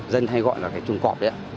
dân hay gọi là cái chuồng cọp đấy